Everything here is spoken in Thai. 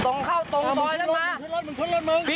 ตรงเข้าตรงตรอยแล้วมา